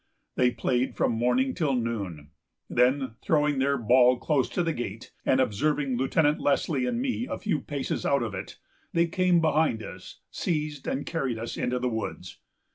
They played from morning till noon; then, throwing their ball close to the gate, and observing Lieutenant Lesley and me a few paces out of it, they came behind us, seized and carried us into the woods.